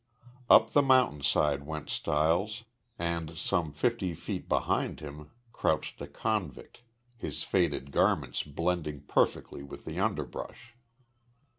Up the mountainside went Stiles and, some fifty feet behind him, crouched the convict, his faded garments blending perfectly with the underbrush.